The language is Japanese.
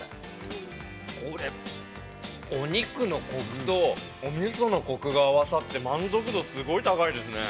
◆これ、お肉のコクとおみそのコクが合わさって、満足度すごい高いですね。